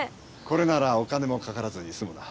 これならお金もかからずに済むな。